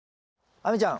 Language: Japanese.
亜美ちゃん